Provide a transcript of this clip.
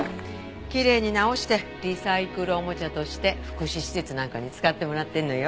きれいに直してリサイクルおもちゃとして福祉施設なんかに使ってもらってるのよ。